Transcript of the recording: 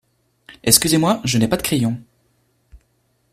Excusez-moi, je n’ai pas de crayon.